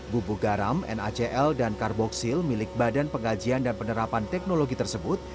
bubuk garam nacl dan karboksil milik badan pengajian dan penerapan teknologi tersebut